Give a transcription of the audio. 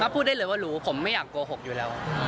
พูดได้เลยว่ารู้ผมไม่อยากโกหกอยู่แล้ว